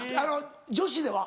女子では？